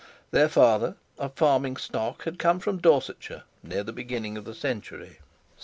Their father, of farming stock, had come from Dorsetshire near the beginning of the century.